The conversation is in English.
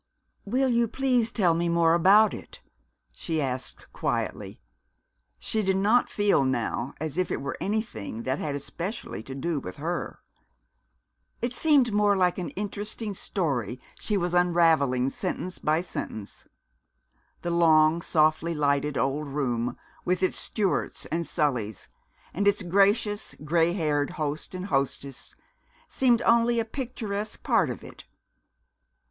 "Will you please tell me more about it?" she asked quietly. She did not feel now as if it were anything which had especially to do with her. It seemed more like an interesting story she was unravelling sentence by sentence. The long, softly lighted old room, with its Stuarts and Sullys, and its gracious, gray haired host and hostess, seemed only a picturesque part of it....